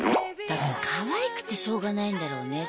だからかわいくてしょうがないんだろうね。